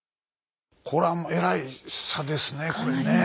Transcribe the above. これはえらい差ですねこれねえ。